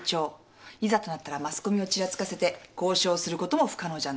いざとなったらマスコミをちらつかせて交渉することも不可能じゃない。